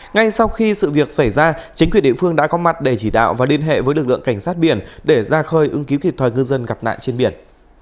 ngay sau khi sự việc xảy ra chính quyền địa phương đã có mặt để chỉ đạo và liên hệ với lực lượng cảnh sát biển để ra khơi ứng cứu kịp thời ngư dân gặp nạn trên biển